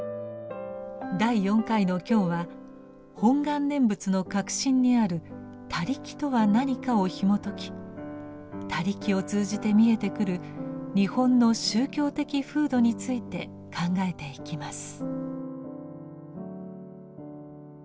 第４回の今日は本願念仏の核心にある「他力」とは何かをひもとき「他力」を通じてみえてくる日本の宗教的風土について考えていきます。